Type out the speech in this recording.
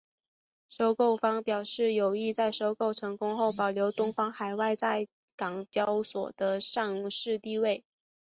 收购方表示有意在收购成功后保留东方海外在港交所的上市地位。